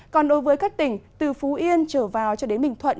còn đối với các tỉnh từ phú yên trở vào cho đến bình thuận